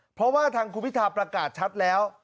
เพราะว่าทางคุณพิทาประกาศชัดแล้ว